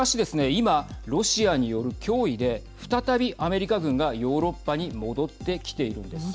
今、ロシアによる脅威で再び、アメリカ軍がヨーロッパに戻ってきているんです。